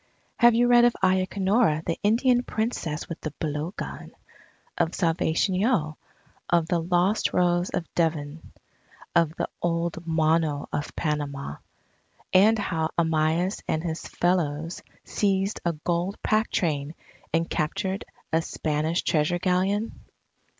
Have you read of Ayacanora the Indian Princess with the blowgun, of Salvation Yeo, of the lost Rose of Devon, of the old Mono of Panama, and how Amyas and his fellows seized a gold pack train and captured a Spanish Treasure Galleon?